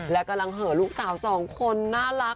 ไม่ก็ไม่ไม่